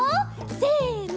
せの。